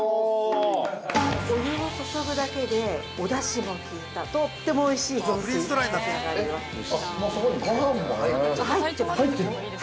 お湯を注ぐだけでおだしの効いたとってもおいしい雑炊ができ上がります。